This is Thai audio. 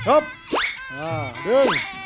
อ่าดึง